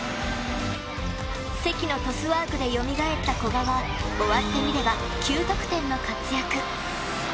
関のトスワークでよみがえった古賀は終わってみれば９得点の活躍。